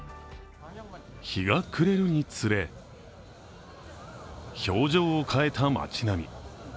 日が暮れるにつれ、表情を変えた街並み。